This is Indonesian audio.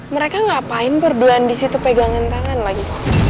mereka ngapain berbelan di situ pegangan tangan lagi